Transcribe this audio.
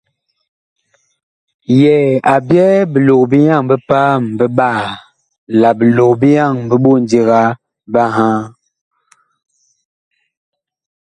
Yɛɛ a byɛɛ bilog-bi-yaŋ bi paam biɓaa la bilog-bi-yaŋ bi ɓondiga biŋhaa.